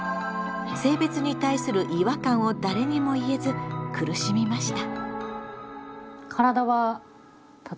性別に対する違和感を誰にも言えず苦しみました。